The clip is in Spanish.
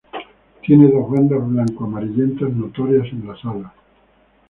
Tiene dos bandas blanco-amarillentas notorias en las alas.